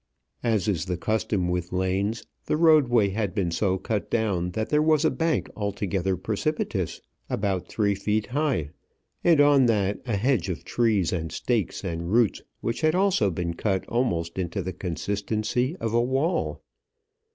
As is the custom with lanes, the roadway had been so cut down that there was a bank altogether precipitous about three feet high, and on that a hedge of trees and stakes and roots which had also been cut almost into the consistency of a wall.